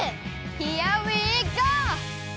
ヒアウィーゴー！